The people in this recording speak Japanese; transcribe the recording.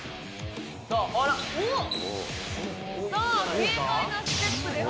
さあ、軽快なステップで。